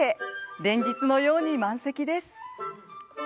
連日のように満席です。